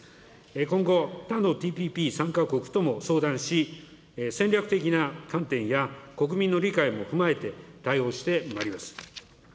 今後、他のＴＰＰ参加国とも相談し、戦略的な観点や国民の理解も踏まえて対応してまいります。